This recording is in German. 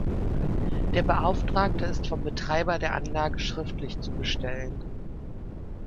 Der Beauftragte ist vom Betreiber der Anlage schriftlich zu bestellen.